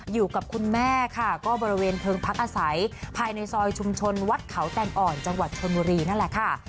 อยู่กับคุณแม่ค่ะก็บริเวณเพลิงพักอาศัยภายในซอยชุมชนวัดเขาแตนอ่อนจังหวัดชนบุรีนั่นแหละค่ะ